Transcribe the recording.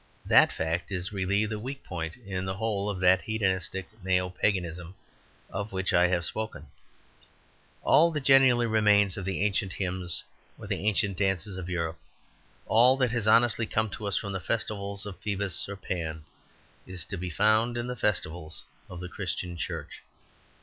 That fact is really the weak point in the whole of that hedonistic neo Paganism of which I have spoken. All that genuinely remains of the ancient hymns or the ancient dances of Europe, all that has honestly come to us from the festivals of Phoebus or Pan, is to be found in the festivals of the Christian Church.